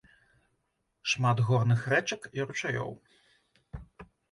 Шмат горных рэчак і ручаёў.